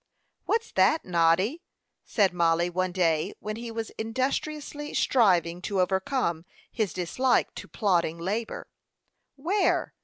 "What's that, Noddy?" said Mollie, one day, when he was industriously striving to overcome his dislike to plodding labor. "Where?"